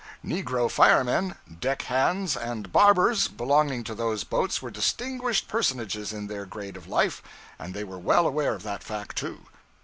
Negro firemen, deck hands, and barbers belonging to those boats were distinguished personages in their grade of life, and they were well aware of that fact too.